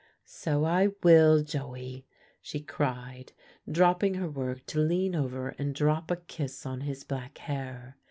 "So I will, Joey," she cried, dropping her work to lean over and drop a kiss on his black hair.